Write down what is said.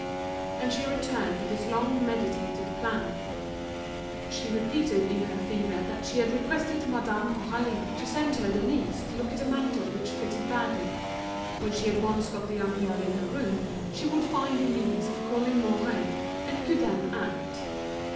And she returned to this long meditated plan. She repeated in her fever that she had requested Madame Aurélie to send her Denise to look at a mantle which fitted badly. When she had once got the young girl in her room, she would find a means of calling Mouret, and could then act.